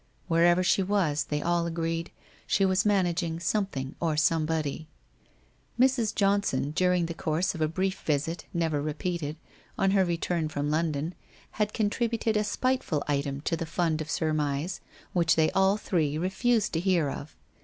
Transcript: Wher ever she was, they all agreed, she was managing something or somebody. Mrs. Johnson during the course of a brief visit, never repeated, on her return from London, had contributed a spiteful item to the fund of surmise, which they all three refused to hear of.